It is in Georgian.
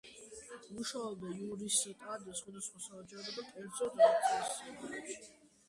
მუშაობდა იურისტად სხვადასხვა საჯარო და კერძო დაწესებულებებში.